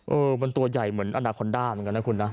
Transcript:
เออมันตัวใหญ่เหมือนอนาคอนด้าเหมือนกันนะคุณนะ